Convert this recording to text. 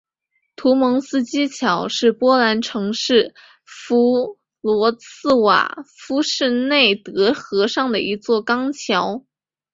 图蒙斯基桥是波兰城市弗罗茨瓦夫市内奥德河上的一座钢桥。